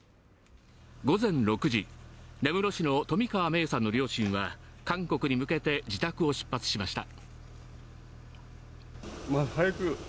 午前６時、根室市の冨川芽生さんの両親は韓国に向けて自宅を出発しました。